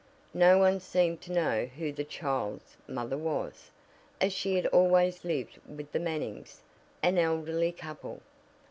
No one seemed to know who the child's mother was, as she had always lived with the Mannings, an elderly couple.